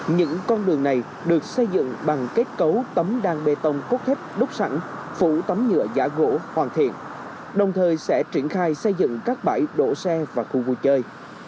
những con đường này được xây dựng bằng kết cấu tấm đan bê tông cốt thép đúc sẵn phủ tấm nhựa giả gỗ hoàn thiện đồng thời sẽ triển khai xây dựng các bãi đổ xe và khu vui chơi